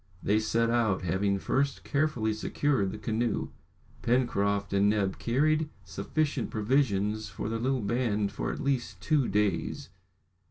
They set out, having first carefully secured the canoe. Pencroft and Neb carried sufficient provisions for the little band for at least two days.